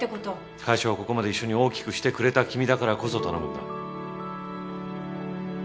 会社をここまで一緒に大きくしてくれた君だからこそ頼むんだ。